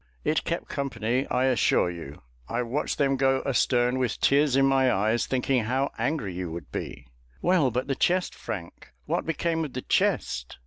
"It kept company, I assure you. I watched them go astern, with tears in my eyes, thinking how angry you would be." "Well, but the chest, Frank, what became of the chest?